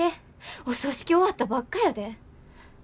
お葬式終わったばっかやで。